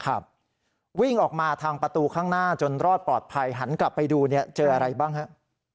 วิ่งออกมาทางประตูข้างหน้าจนรอดปลอดภัยหันกลับไปดูเนี่ยเจออะไรบ้างฮะ